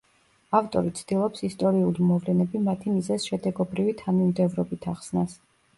ავტორი ცდილობს ისტორიული მოვლენები მათი მიზეზ-შედეგობრივი თანამიმდევრობით ახსნას.